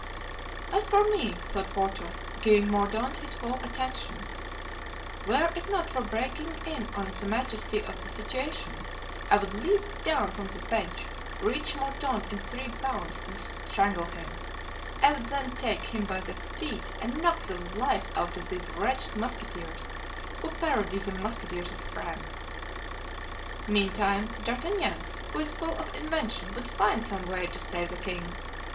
'" "As for me," thought Porthos, giving Mordaunt his whole attention, "were it not for breaking in on the majesty of the situation I would leap down from the bench, reach Mordaunt in three bounds and strangle him; I would then take him by the feet and knock the life out of these wretched musketeers who parody the musketeers of France. Meantime, D'Artagnan, who is full of invention, would find some way to save the king.